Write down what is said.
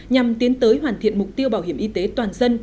nhằm tiến tới hoàn thiện mục tiêu bảo hiểm y tế toàn dân